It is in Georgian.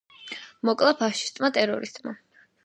მოკლა ფაშისტმა ტერორისტმა.